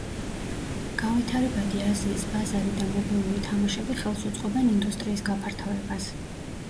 განვითარებადი აზიის ბაზარი და მობილური თამაშები ხელს უწყობენ ინდუსტრიის გაფართოებას.